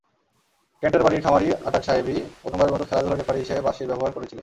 ক্যান্টারবারির খামারি আটাক সাহেবই প্রথমবারের মতো খেলাধুলার রেফারি হিসেবে বাঁশির ব্যবহার করেছিলেন।